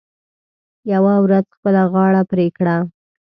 یوه ورځ خپله غاړه پرې کړه .